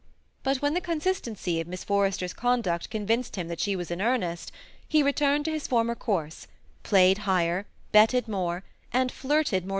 But when the consistency of Miss Forrester's conduct convinced him that she was in earnest, he returned to his former courses, played higher, betted more, and flirted more THE SEMI ATTACHED COUPLE.